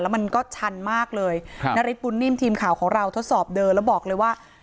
มันก็ชันมากเลยครับนาริสบุญนิ่มทีมข่าวของเราทดสอบเดินแล้วบอกเลยว่า